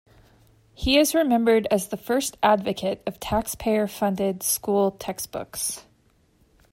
He is remembered as the first advocate of taxpayer-funded school textbooks.